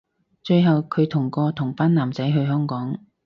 最後距同個同班男仔去香港